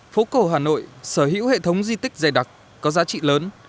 phố cổ hà nội sở hữu hệ thống di tích dày đặc có giá trị lớn